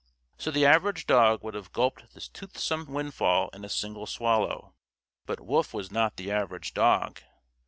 So the average dog would have gulped this toothsome windfall in a single swallow; but Wolf was not the average dog.